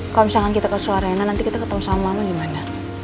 kalau misalkan kita ke suarena nanti kita ketemu sama mama gimana